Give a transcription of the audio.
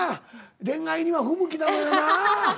恋愛には不向きなのよな。